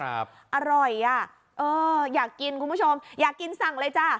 อร่อยอ่ะเอออยากกินคุณผู้ชมอยากกินสั่งเลยจ้ะ